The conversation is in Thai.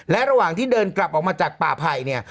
และระหว่างที่เดินกลับออกมาจากป่าไผ่เนี่ย